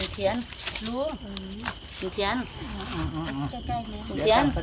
ที่สุดท้าย